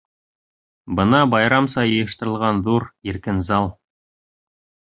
Бына байрамса йыйыштырылған ҙур, иркен зал.